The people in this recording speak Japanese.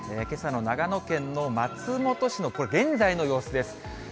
けさの長野県の松本市のこれ、現在の様子です。